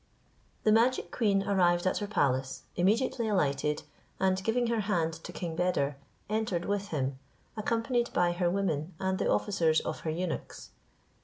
The magic queen arrived at her palace, immediately alighted, and giving her hand to King Beder, entered with him, accompanied by her women and the officers of her eunuchs.